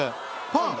パン？